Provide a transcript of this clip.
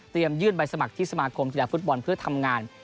เตรียมยื่นใบสมัครที่สมาคมธุระฟุตบอลเพื่อทำงาน